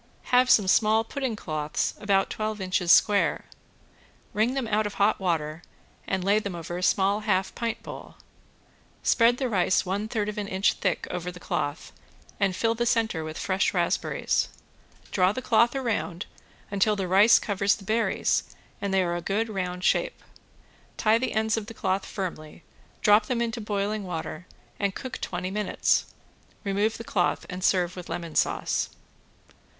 Have some small pudding cloths about twelve inches square, wring them out of hot water and lay them over a small half pint bowl. Spread the rice one third of an inch thick over the cloth, and fill the center with fresh raspberries. Draw the cloth around until the rice covers the berries and they are a good round shape. Tie the ends of the cloth firmly, drop them into boiling water and cook twenty minutes. Remove the cloth and serve with lemon sauce.